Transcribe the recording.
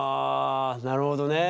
なるほどね。